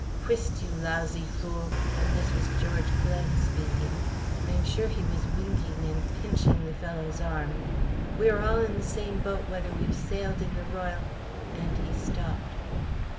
"Whist, you lousy fool" and this was George Glen speaking. I am sure he was winking and pinching the fellow's arm, "we are all in the same boat whether we've sailed in the Royal " and he stopped.